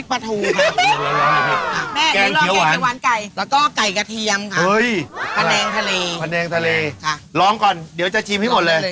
ดูนี่หน้าอะไรนะหน้าไหนล่ะอันนี้ครับ